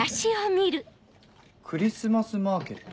クリスマスマーケット？